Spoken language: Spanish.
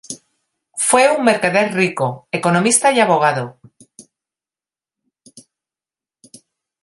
Fue un mercader rico, economista y abogado.